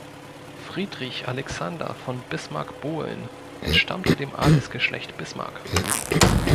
Friedrich Alexander von Bismarck-Bohlen entstammte dem Adelsgeschlecht Bismarck.